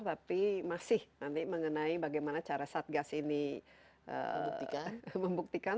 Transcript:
tapi masih nanti mengenai bagaimana cara satgas ini membuktikan